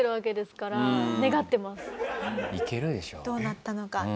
どうなったのか？